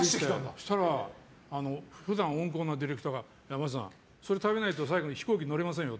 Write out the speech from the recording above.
そうしたら普段温厚なディレクターが山下さん、それ食べないと最後、飛行機乗れませんよ。